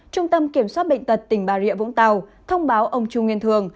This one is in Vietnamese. trung tâm kiểm soát bệnh tật tỉnh bà rịa vũng tàu thông báo ông trung nguyên thường